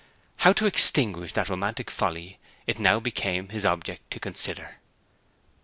How to extinguish that romantic folly it now became his object to consider.